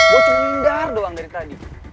lo pindah doang dari tadi